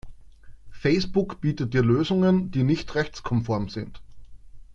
Facebook bietet dir Lösungen, die nicht rechtskonform sind.